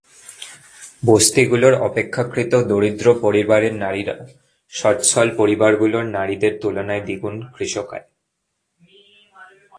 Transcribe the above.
বস্তিগুলোর অপেক্ষাকৃত দরিদ্র পরিবারের নারীরা সচ্ছল পরিবারগুলোর নারীদের তুলনায় দ্বিগুণ কৃশকায়।